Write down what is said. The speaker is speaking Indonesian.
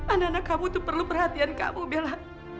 anak anak kamu itu perlu perhatian kamu bella